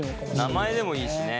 名前でもいいしね。